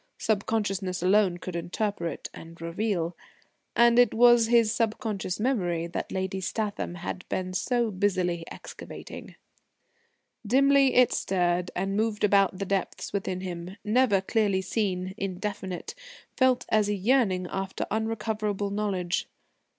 Subconsciousness alone could interpret and reveal. And it was his subconscious memory that Lady Statham had been so busily excavating. Dimly it stirred and moved about the depths within him, never clearly seen, indefinite, felt as a yearning after unrecoverable knowledge.